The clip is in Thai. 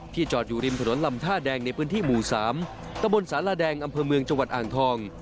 จอดอยู่ริมถนนลำท่าแดงในพื้นที่หมู่๓ตะบนสารแดงอำเภอเมืองจังหวัดอ่างทอง